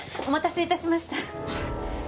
お待たせ致しました。